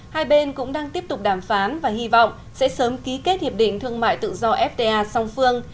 hai bên cũng đang tiếp tục đàm phán và hy vọng sẽ sớm ký kết hiệp định thương mại tự do fta song phương